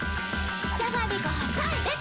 じゃがりこ細いでた‼